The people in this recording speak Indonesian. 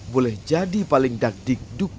boleh jadi paling dakdikduk